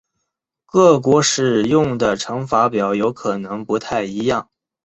各国使用的乘法表有可能不太一样。